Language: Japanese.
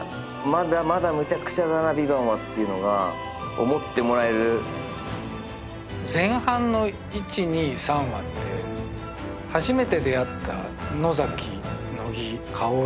まだまだむちゃくちゃだな「ＶＩＶＡＮＴ」はっていうのが思ってもらえる前半の１２３話って初めて出会った野崎乃木薫